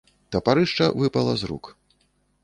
Тапарышча выпала з рук.